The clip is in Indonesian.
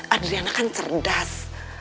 adriana kan cerdas